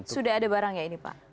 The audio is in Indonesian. sudah ada barang ya ini pak